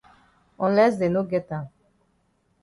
Unless dey no get am.